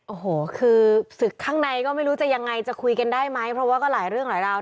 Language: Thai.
โอ้โหคือศึกข้างในก็ไม่รู้จะยังไงจะคุยกันได้ไหมเพราะว่าก็หลายเรื่องหลายราว